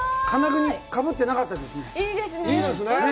金具にかぶってなかったですね。